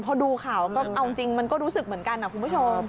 พอดูข่าวก็เอาจริงมันก็รู้สึกเหมือนกันนะคุณผู้ชม